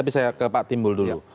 tapi saya ke pak timbul dulu